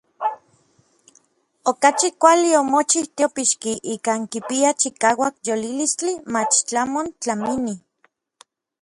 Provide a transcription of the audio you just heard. Okachi kuali omochij teopixki ikan kipia chikauak yolilistli mach tlamon tlamini.